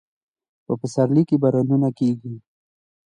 په پسرلي کې بارانونه کیږي